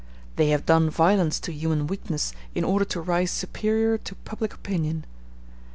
They have done violence to human weakness, in order to rise superior to public opinion.